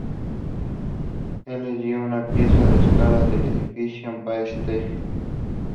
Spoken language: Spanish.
Él les dio una pieza a escala del edificio Empire State.